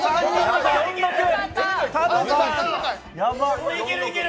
これ、いける、いける！